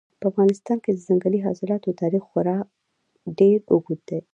په افغانستان کې د ځنګلي حاصلاتو تاریخ خورا ډېر اوږد دی.